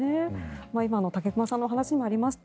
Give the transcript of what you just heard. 今の武隈さんのお話にもありました